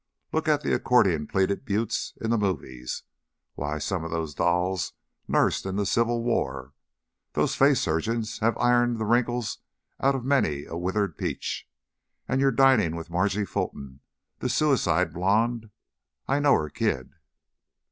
Look at the accordion pleated beauts in the movies. Why, some of those dolls nursed in the Civil War! Those face surgeons have ironed the wrinkles out of many a withered peach, and you're dining with Margie Fulton, the Suicide Blonde. I know her kid."